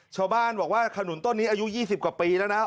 ชาวบ้านบอกว่าขนุนต้นนี้อายุ๒๐กว่าปีแล้วนะ